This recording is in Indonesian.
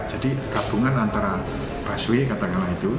jadi gabungan antara busway katakanlah itu